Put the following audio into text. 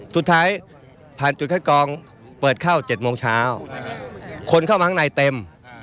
สุดท้ายผ่านจุดคัดกรองเปิดเข้า๗โมงเช้าคนเข้ามาข้างในเต็ม